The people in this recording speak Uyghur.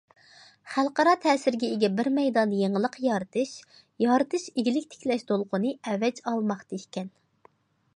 خەلقئارا تەسىرگە ئىگە بىر مەيدان يېڭىلىق يارىتىش يارىتىش ئىگىلىك تىكلەش دولقۇنى ئەۋج ئالماقتا ئىكەن.